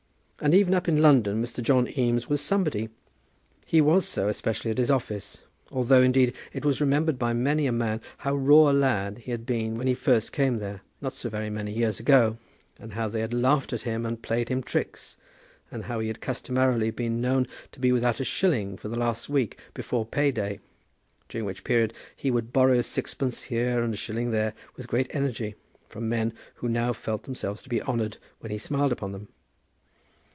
And even up in London Mr. John Eames was somebody. He was so especially at his office; although, indeed, it was remembered by many a man how raw a lad he had been when he first came there, not so very many years ago; and how they had laughed at him and played him tricks; and how he had customarily been known to be without a shilling for the last week before pay day, during which period he would borrow sixpence here and a shilling there with great energy, from men who now felt themselves to be honoured when he smiled upon them.